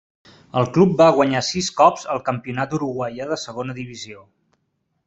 El club va guanyar sis cops el campionat uruguaià de segona divisió.